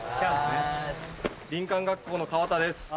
林間学校のカワタです。